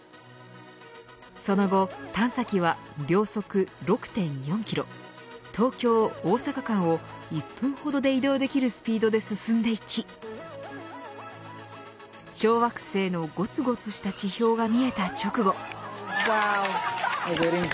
その後探査機は秒速６．４キロ東京、大阪間を１分ほどで移動できるスピードで進んでいき小惑星のごつごつした地表が見えた直後。